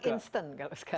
kurang instant kalau sekarang